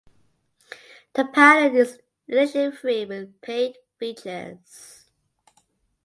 The Pattern is initially free with paid features.